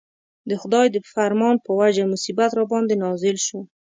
د خدای د فرمان په وجه مصیبت راباندې نازل شو.